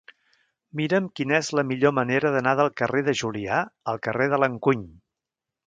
Mira'm quina és la millor manera d'anar del carrer de Julià al carrer de l'Encuny.